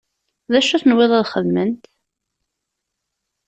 D acu tenwiḍ ad xedment?